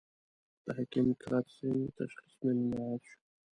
د حکیم کرت سېنګ تشخیص مې نن را ياد شو.